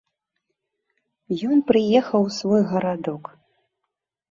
Ён прыехаў у свой гарадок.